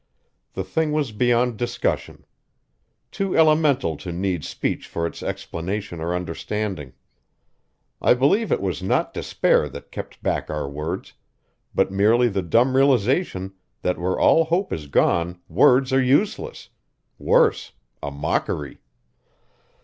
The thing was beyond discussion; too elemental to need speech for its explanation or understanding. I believe it was not despair that kept back our words, but merely the dumb realization that where all hope is gone words are useless worse, a mockery.